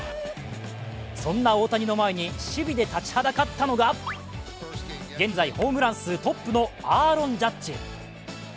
そんな大谷の前に守備で立ちはだかったのが現在、ホームラン数トップのアーロン・ジャッジ。